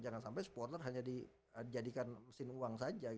jangan sampai supporter hanya dijadikan mesin uang saja